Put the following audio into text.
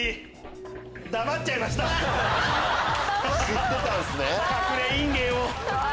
知ってたんすね。